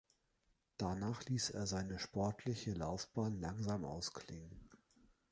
Danach ließ er seine sportliche Laufbahn langsam ausklingen.